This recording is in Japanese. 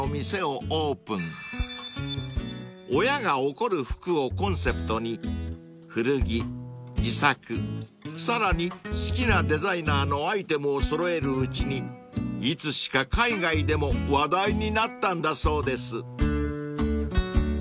［「親が怒る服」をコンセプトに古着自作さらに好きなデザイナーのアイテムを揃えるうちにいつしか海外でも話題になったんだそうです］